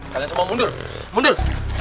kalian semua mundur mundur